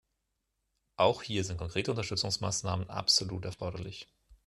Auch hier sind konkrete Unterstützungsmaßnahmen absolut erforderlich.